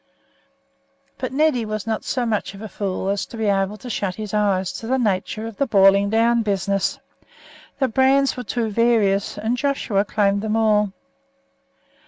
But Neddy was not so much of a fool as to be able to shut his eyes to the nature of the boiling down business. The brands were too various, and Joshua claimed them all.